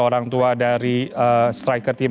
orang tua dari striker team